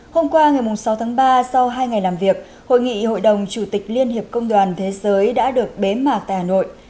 hôm qua ngày sáu tháng ba sau hai ngày làm việc hội nghị hội đồng chủ tịch liên hiệp công đoàn thế giới đã được bế mạc tại hà nội